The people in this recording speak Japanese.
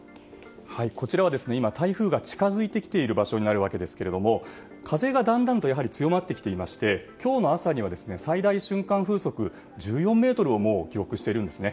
こちらは台風が近づいてきている場所になるんですが風がだんだんと強まってきていまして今日の朝には最大瞬間風速１４メートルを記録しています。